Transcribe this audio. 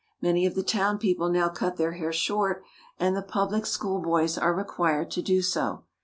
Many of the town people now cut their hair short, and the public schoolboys are re quired to do so.